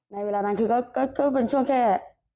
เวลานั้นคือก็เป็นช่วงแค่